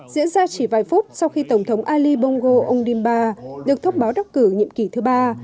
diễn ra chỉ vài phút sau khi tổng thống ali bongo ông dimba được thông báo đắc cử nhiệm kỳ thứ ba